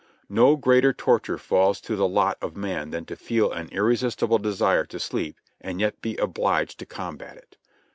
No greater torture falls to the lot of man than to feel an irre sistible desire to sleep and yet be obliged to combat it.